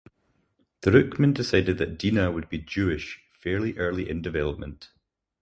Druckmann decided that Dina would be Jewish fairly early in development.